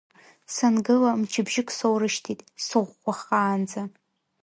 Сангыла, мчыбжьык соурышьҭит, сыӷәӷәахаанӡа…